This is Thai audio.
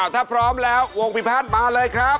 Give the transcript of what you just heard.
ถ้าพร้อมแล้ววงพิพัฒน์มาเลยครับ